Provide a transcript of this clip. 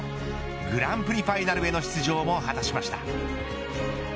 グランプリファイナルへの出場も果たしました。